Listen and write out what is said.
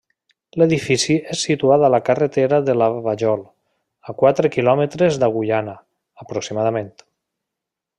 L'edifici és situat a la carretera de la Vajol, a quatre quilòmetres d'Agullana, aproximadament.